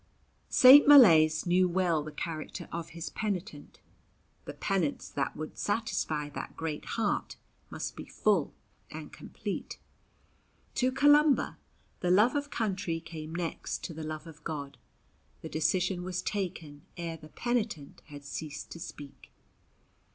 St. Molaise knew well the character of his penitent. The penance that would satisfy that great heart must be full and complete. To Columba the love of country came next to the love of God; the decision was taken ere the penitent had ceased to speak.